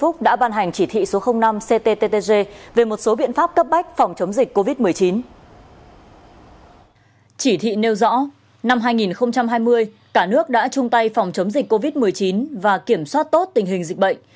chỉ thị nêu rõ năm hai nghìn hai mươi cả nước đã chung tay phòng chống dịch covid một mươi chín và kiểm soát tốt tình hình dịch bệnh